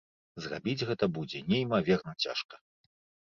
Зрабіць гэта будзе неймаверна цяжка.